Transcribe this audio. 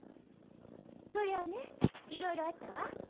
そりゃねいろいろあったわ。